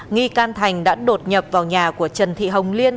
nghi can thành đã đột nhập vào nhà của trần thị hồng liên